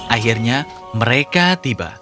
akhirnya mereka tiba